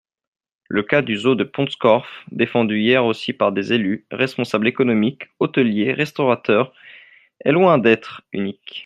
Le cas du zoo de Pont-Scorff, défendu hier aussi par des élus, responsables économiques, hôteliers, restaurateurs, est loin d’être unique.